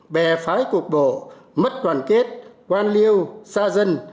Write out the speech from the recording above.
bè phái cuộc bộ mất đoàn kết quan liêu xa dân